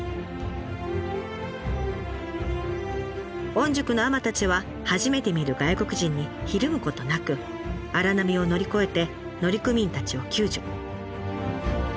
御宿の海女たちは初めて見る外国人にひるむことなく荒波を乗り越えて乗組員たちを救助。